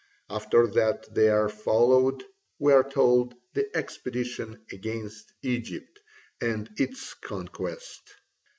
After that there followed, we are told, the expedition against Egypt and its conquest.